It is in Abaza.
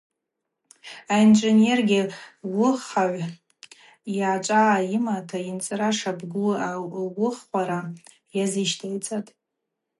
Аинженер-уыхвагӏв йъачӏвагӏа йымата йынцӏра шабгу ауыхвара йазыщтӏайцӏатӏ.